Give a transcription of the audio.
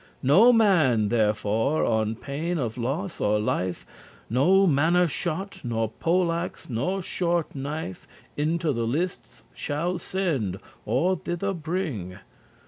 No man therefore, on pain of loss of life, No manner* shot, nor poleaxe, nor short knife *kind of Into the lists shall send, or thither bring.